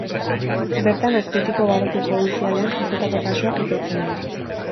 Bertan, Azpeitiko barruti judizialean jazotako kasuak epaitzen dira.